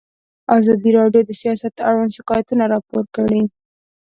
ازادي راډیو د سیاست اړوند شکایتونه راپور کړي.